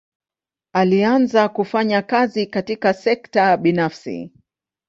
Alianza kufanya kazi katika sekta binafsi.